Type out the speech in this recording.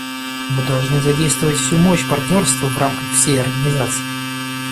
Мы должны задействовать всю мощь партнерства в рамках всей Организации.